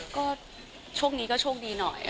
ก็โชคนี้ก็โชคดีหน่อยค่ะ